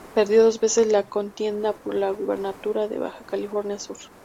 Perdió dos veces la contienda por la gubernatura de Baja California Sur.